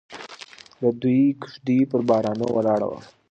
د دوی کږدۍ پر بارانه ولاړه وه.